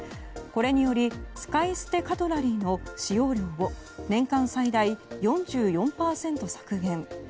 これにより使い捨てカトラリーの使用量を年間最大４４％削減。